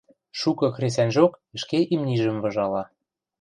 Шукы хресӓньжок ӹшке имнижӹм выжала